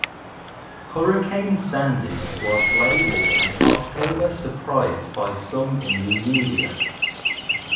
Hurricane Sandy was labelled an October surprise by some in the media.